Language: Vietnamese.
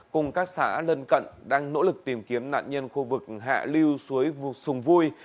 cùng các xã lân cận đang nỗ lực tìm kiếm nạn nhân khu vực hạ lưu suối vùng sùng vui